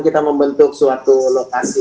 kita membentuk suatu lokasi